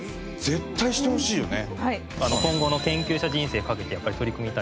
絶対してほしいよね。